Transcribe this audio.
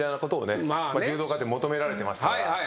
柔道家って求められてましたから。